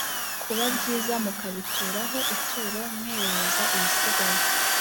kuba byiza mukabitura ho ituro mwerereza ibisigaye